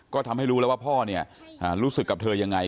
ก็ทำให้รู้แล้วว่าพ่อเนี่ยรู้สึกกับเธอยังไง